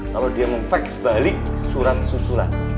kalau dia memfax balik surat susulan